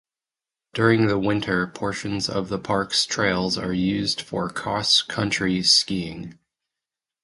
During the winter, portions of the parks trails are used for cross-country skiing.